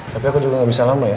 tapi aku juga gak bisa lama ya